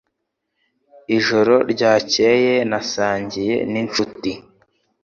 Ijoro ryakeye nasangiye ninshuti